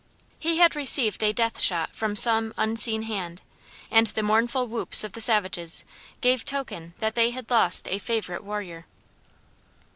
He had received a death shot from some unseen hand, and the mournful whoops of the savages gave token that they had lost a favorite warrior.